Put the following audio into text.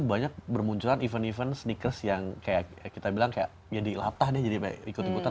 banyak bermunculan event event sneakers yang kayak kita bilang kayak ya dilatah deh jadi ikut ikutan